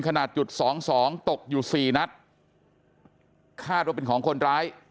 ขนาดจุดสองสองตกอยู่สี่นัดคาดว่าเป็นของคนร้าย